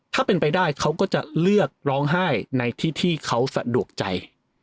ถ้าเป็นไปได้เขาก็จะเลือกร้องไห้ในที่ที่เขาสะดวกใจ